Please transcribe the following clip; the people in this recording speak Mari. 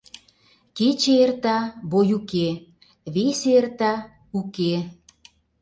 Кече эрта — бой уке, весе эрта — уке.